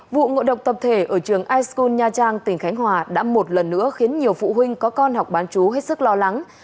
một tập thể ở trường ischool nha trang tỉnh khánh hòa đã một lần nữa khiến nhiều phụ huynh có con học bán chú hết sức lo lắng